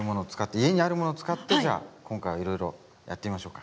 家にあるものを使ってじゃあ今回はいろいろやってみましょうか。